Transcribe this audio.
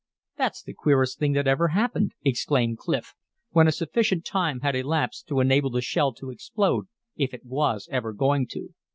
"That's the queerest thing that ever happened," exclaimed Clif, when a sufficient time had elapsed to enable the shell to explode if it was ever going to.